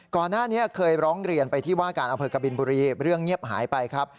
ก่อนหน้านี้เคยร้องเรียนไปที่ว่าการอำเภอกบินบุรีเรื่องเงียบหายไปครับ